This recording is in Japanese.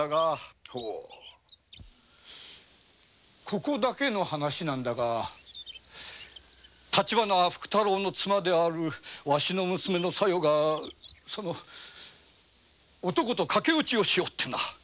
ここだけの話だが立花福太郎の妻であるわしの娘・小夜が男と駆け落ちしおってな。